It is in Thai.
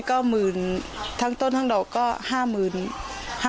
ก็ปีนี้๙๐๐๐๐ถ้าต้นทางดอกก็๕๐๒๐๐นะคะ